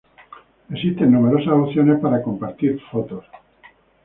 Existen numerosas opciones para compartir fotos.